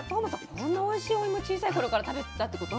こんなおいしいおいも小さい頃から食べてたってこと？